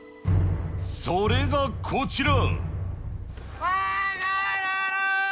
それがこちら。